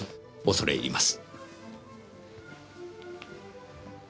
恐れ入ります。